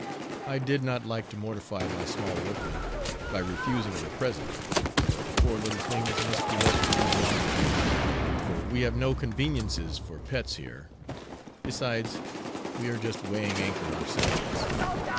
I did not like to mortify my small workmen by refusing their present; but the poor little things must be left to run wild again, for we have no conveniences for pets here, besides we are just weighing anchor ourselves.